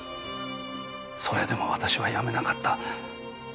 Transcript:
それでも私はやめなかった。